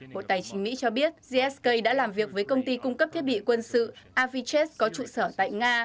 bộ tài chính mỹ cho biết gsk đã làm việc với công ty cung cấp thiết bị quân sự aviches có trụ sở tại nga